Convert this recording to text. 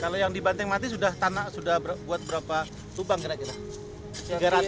kalau yang di banteng mati sudah tanah sudah buat berapa lubang kira kira